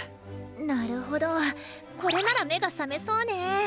なるほどこれなら目が覚めそうね。